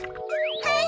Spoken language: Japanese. はい！